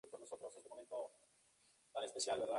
La sede del condado es Hot Sulphur Springs.